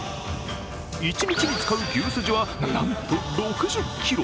一日に使う牛すじは、なんと６０ｋｇ。